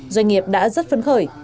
doanh nghiệp đã rất phấn khởi